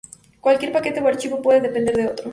Cualquier paquete o archivo puede depender de otro.